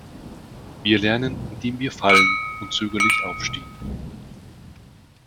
Wir lernen, indem wir fallen und zögerlich aufstehen.